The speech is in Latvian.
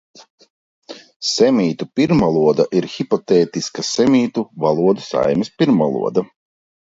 Semītu pirmvaloda ir hipotētiska semītu valodu saimes pirmvaloda.